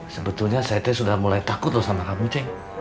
sebetulnya ct sudah mulai takut loh sama kamu cek